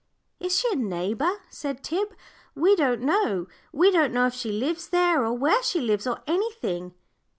"Is she a neighbour?" said Tib. "We don't know we don't know if she lives there, or where she lives, or anything."